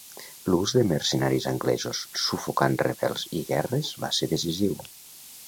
L'ús de mercenaris anglesos sufocant rebels i guerres va ser decisiu.